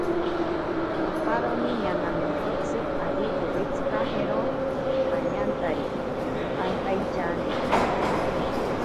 Aparoni ñanamentotsi ari owitsikajero pañantari onkantaityani.